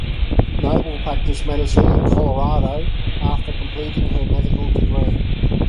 Noble practiced medicine in Colorado after completing her medical degree.